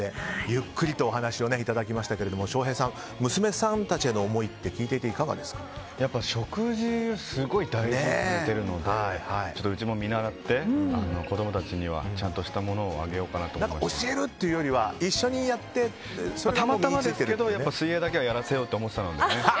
ゆっくりとお話をいただきましたけれども翔平さん娘さんたちへの思いって食事をすごい大事にされてるのでうちも見習って、子供たちにはちゃんとしたものを教えるというよりはたまたまですけど水泳だけはやらせようと思ってたのでね。